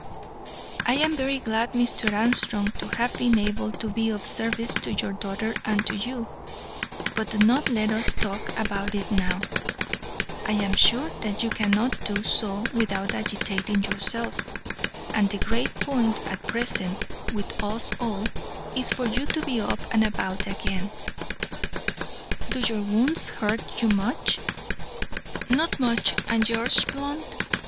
"I am very glad, Mr. Armstrong, to have been able to be of service to your daughter and to you; but do not let us talk about it now; I am sure that you cannot do so without agitating yourself, and the great point at present with us all is for you to be up and about again. Do your wounds hurt you much?" "Not much; and yours, Blunt?"